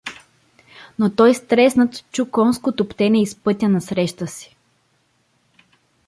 Но той стреснат чу конско туптене из пътя насреща си.